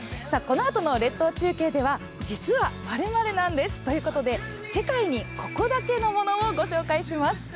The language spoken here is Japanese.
このあとの列島中継では、実は○○なんですということで、世界にここだけのものを御紹介します。